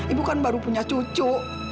ibu kan baru punya cucu